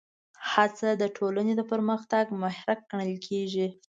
هڅه د ټولنې د پرمختګ محرک ګڼل کېږي.